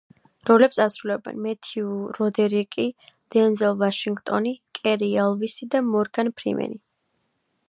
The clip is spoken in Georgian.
როლებს ასრულებენ: მეთიუ როდერიკი, დენზელ ვაშინგტონი, კერი ელვისი და მორგან ფრიმენი.